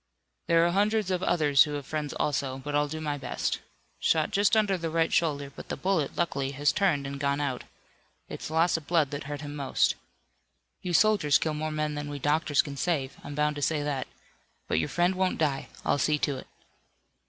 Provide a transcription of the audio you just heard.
"There are hundreds of others who have friends also, but I'll do my best. Shot just under the right shoulder, but the bullet, luckily, has turned and gone out. It's loss of blood that hurt him most. You soldiers kill more men than we doctors can save. I'm bound to say that. But your friend won't die. I'll see to it."